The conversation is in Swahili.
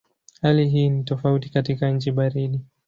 Hali hii ni tofauti katika nchi baridi.